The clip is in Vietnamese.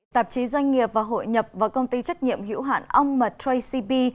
tạp chí doanh nghiệp và hội nhập và công ty trách nhiệm hiểu hạn ong mật tracy b